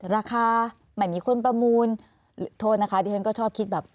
ราคาไม่มีคนประมูลโทษนะคะดิฉันก็ชอบคิดแบบ